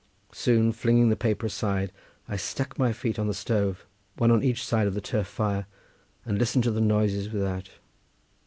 Soon flinging the paper aside I stuck my feet on the stove, one on each side of the turf fire, and listened to the noises without.